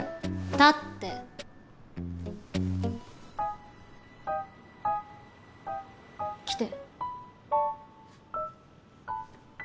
立って！来て。